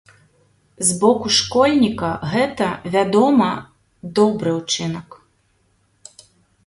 З боку школьніка, гэта, вядома, добры ўчынак.